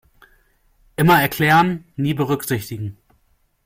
Immer erklären, nie berücksichtigen.